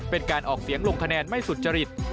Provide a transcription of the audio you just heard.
เป็นการออกเสียงลงคะแนนไม่สุจริต